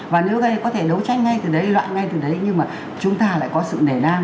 và nếu có thể đấu tranh ngay từ đấy loại ngay từ đấy nhưng mà chúng ta lại có sự nể nang